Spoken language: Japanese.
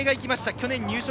去年、入賞。